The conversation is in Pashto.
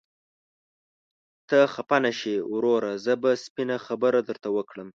ته خفه نشې وروره، زه به سپينه خبره درته وکړم.